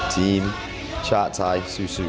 ทีมชาตาซูซู